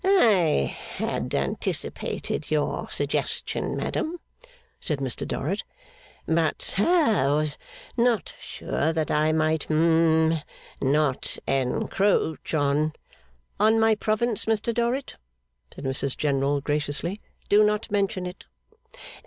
'I had anticipated your suggestion, madam,' said Mr Dorrit, 'but ha was not sure that I might hum not encroach on ' 'On my province, Mr Dorrit?' said Mrs General, graciously. 'Do not mention it.